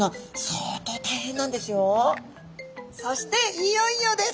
そしていよいよです！